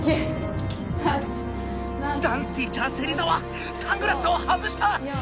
ダンスティーチャーセリザワサングラスを外した！